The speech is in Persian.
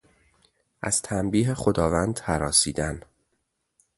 از تنبیه خداوند هراسیدن